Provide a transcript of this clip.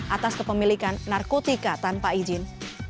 atas kepemilikan narkotika tanpa izin